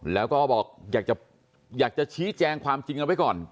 แล้วก็บอกอยากจะชี้แจงความจริงเอาไว้ก่อน